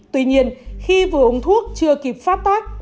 tuy nhiên khi vừa uống thuốc chưa kịp phát tác